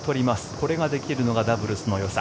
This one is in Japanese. これができるのがダブルスのよさ。